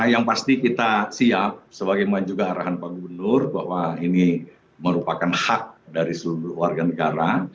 yang pasti kita siap sebagaimana juga arahan pak gubernur bahwa ini merupakan hak dari seluruh warga negara